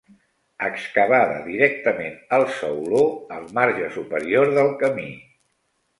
Excavada directament al sauló, al marge superior del camí.